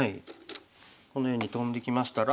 このようにトンできましたら。